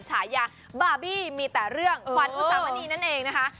ฉายาบาร์บี้มีแต่เรื่องขวัญผู้สร้างวันนี้นั่นเองนะคะ